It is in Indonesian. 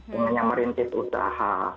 dengan yang merintis usaha